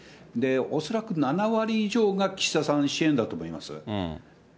恐らく、７割以上が岸田さん支援だと思います。